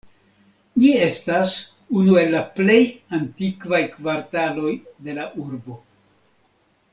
Ĝi estas unu el la plej antikvaj kvartaloj de la urbo.